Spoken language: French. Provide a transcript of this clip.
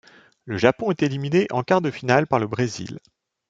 Le Japon est éliminé en quart de finale par le Brésil.